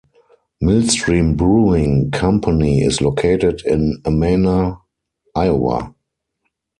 Millstream Brewing Company is located in Amana, Iowa.